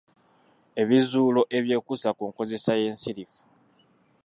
Ebizuulo ebyekuusa ku nkozesa y’ensirifu.